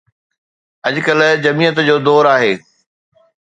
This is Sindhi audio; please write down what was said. اڄ ڪلهه جمعيت جو دور آهي.